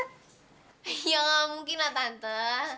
ya nggak mungkinlah tante